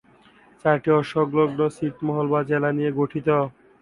চারটি অসংলগ্ন ছিটমহল বা জেলা নিয়ে গঠিত।